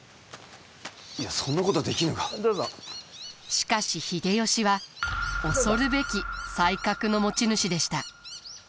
しかし秀吉は恐るべき才覚の持ち主でした。